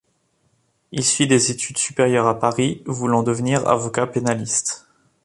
Il suit des études supérieures à Paris, voulant devenir avocat pénaliste.